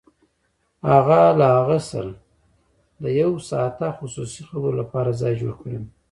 هغه له هغه سره د يو ساعته خصوصي خبرو لپاره ځای جوړ کړی و.